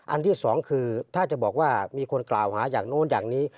ที่สองคือถ้าจะบอกว่ามีคนกล่าวหาอย่างนู้นอย่างนี้